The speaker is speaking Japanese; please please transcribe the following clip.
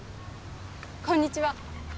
こんにちは。